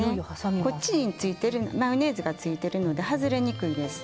こっちにマヨネーズがついてるので外れにくいです。